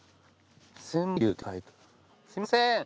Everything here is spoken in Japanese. すみません。